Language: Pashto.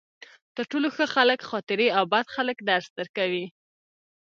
تر ټولو ښه خلک خاطرې او بد خلک درس درکوي.